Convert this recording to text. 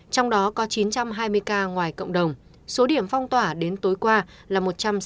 trong đó có chín trăm hai mươi ca ngoài cộng đồng số điểm phong tỏa đến tối qua là một trăm sáu mươi bảy